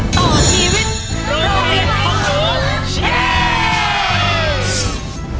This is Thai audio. เกมต่อชีวิตรายการของหนูแชน